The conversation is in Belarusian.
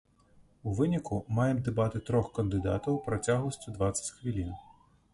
У выніку, маем дэбаты трох кандыдатаў працягласцю дваццаць хвілін.